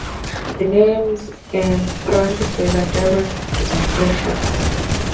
The names in parentheses are direct translations.